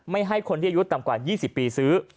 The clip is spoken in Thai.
ให้คนที่อายุต่ำกว่า๒๐ปีซื้อ